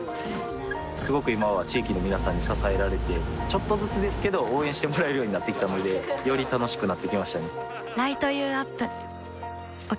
すごく今は地域の皆さんに支えられてちょっとずつですけど応援してもらえるようになってきたのでより楽しくなってきましたね